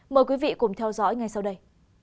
mời quý vị cùng theo dõi ngay sau đây